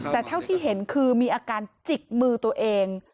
แต่เท่าที่เห็นคือมีอาการจิกมือตัวเอง